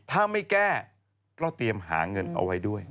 ถ้าไม่แก้ก็เตรียมหาเงินเอาไว้ด้วย